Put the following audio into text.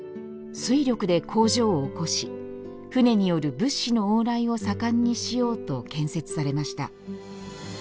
水力で工場を興し、船による物資の往来を盛んにしようと建設されました。